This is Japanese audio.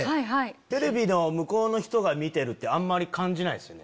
テレビの向こうの人が見てるってあんまり感じないですよね。